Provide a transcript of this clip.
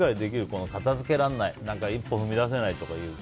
この、片付けられない一歩踏み出せないとかいう。